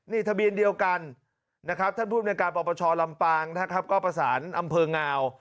นี่ทะเบียนเดียวกันท่านผู้บริการประชอลำปางก็ประสานอำเภองาว